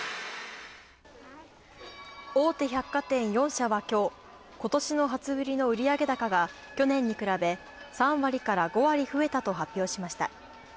大手百貨店４社は今日今年の初売りの売上高が去年に比べ３割から５割増えたと発表しました。